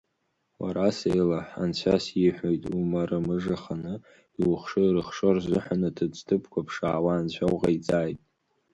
Уара Сеилаҳ, Анцәа сиҳәоит, умарымажаханы, иухшо, ирыхшо рзыҳәан аҭыӡҭыԥқәа ԥшаауа Анцәа уҟаиҵааит!